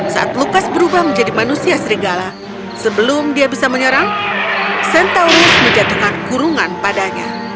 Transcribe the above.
saat lukas berubah menjadi manusia serigala sebelum dia bisa menyerang centalis menjatuhkan kurungan padanya